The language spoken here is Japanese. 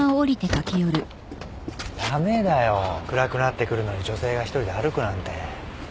駄目だよ暗くなってくるのに女性が一人で歩くなんて。